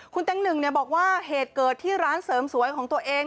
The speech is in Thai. คุณเต็งหนึ่งบอกว่าเหตุเกิดที่ร้านเสริมสวยของตัวเอง